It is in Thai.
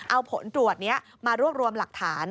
เอาผลตรวจนี้มารวบรวมหลักฐาน